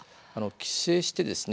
帰省してですね